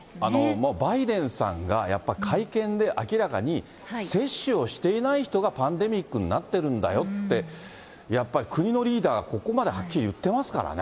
もうバイデンさんが、やっぱ会見で明らかに、接種をしていない人がパンデミックになっているんだよって、やっぱり国のリーダーがここまではっきり言ってますからね。